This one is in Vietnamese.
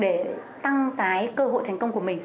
để tăng cái cơ hội thành công của mình